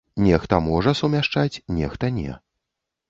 Нехта можа сумяшчаць, нехта не.